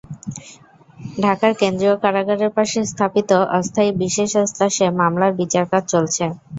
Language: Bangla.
ঢাকার কেন্দ্রীয় কারাগারের পাশে স্থাপিত অস্থায়ী বিশেষ এজলাসে মামলার বিচারকাজ চলছে।